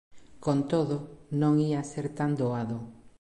Con todo, non ía ser tan doado.